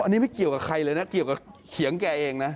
อันนี้ไม่เกี่ยวกับใครเลยนะเกี่ยวกับเขียงแกเองนะ